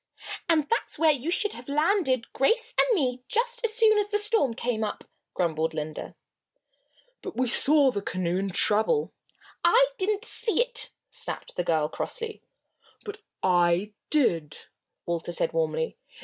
"And that's where you should have landed Grace and me just as soon as the storm came up," grumbled Linda. "But we saw the canoe in trouble " "I didn't see it!" snapped the girl, crossly. "But I did," Walter said warmly.